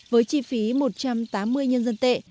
với chi phí một trăm tám mươi nhân dân tệ